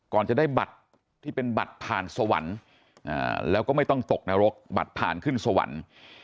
ก่อนจะได้บัตรที่เป็นบัตรผ่านสวรรค์แล้วก็ไม่ต้องตกนรกบัตรผ่านขึ้นสวรรค์